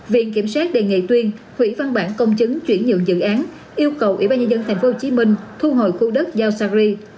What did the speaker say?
viện kiểm sát đề nghị tuyên hủy văn bản công chứng chuyển nhượng dự án yêu cầu ubnd tp hcm thu hồi khu đất giao sakri